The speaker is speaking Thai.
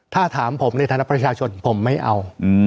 ถ้าถามผมในฐานะประชาชนผมไม่เอา